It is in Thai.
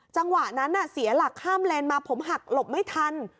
จังหวะนั้นเสียหลักข้ามเลนมาผมหักหลบไม่ทัน